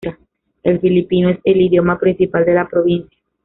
El filipino es el idioma principal de la provincia.